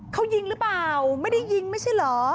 เขายิงหรือเปล่าไม่ได้ยิงไม่ใช่เหรอ